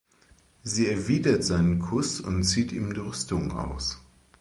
Sie erwidert seinen Kuss und zieht ihm die Rüstung aus.